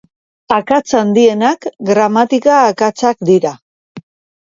Akats handienak gramatika akatsak dira.